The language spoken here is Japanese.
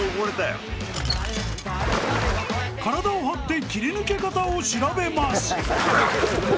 ［体を張って切り抜け方を調べます］